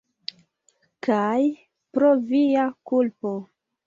Kaj pro via kulpo.